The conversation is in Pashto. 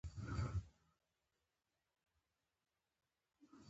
ډارول پرېده زه پکې پخه يم.